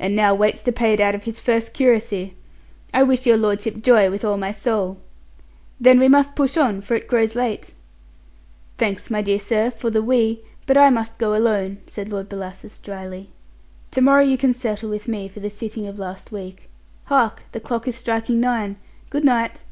"And now waits to pay it out of his first curacy. I wish your lordship joy with all my soul. Then, we must push on, for it grows late." "Thanks, my dear sir, for the 'we,' but I must go alone," said Lord Bellasis dryly. "To morrow you can settle with me for the sitting of last week. Hark! the clock is striking nine. Good night."